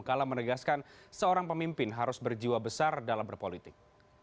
kala menegaskan seorang pemimpin harus berjiwa besar dalam berpolitik